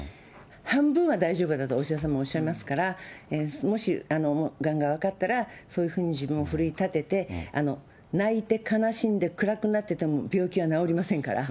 半分は大丈夫だと、お医者様はおっしゃいましたから、もしがんが分かったら、そういうふうに自分を奮い立てて、泣いて悲しんで暗くなってても、病気は治りませんから。